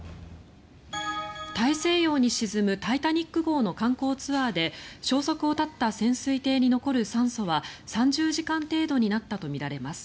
大西洋に沈む「タイタニック号」の観光ツアーで消息を絶った潜水艇に残る酸素は３０時間程度になったとみられます。